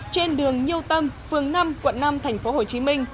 trên đường nhưu tâm phường năm quận năm tp hcm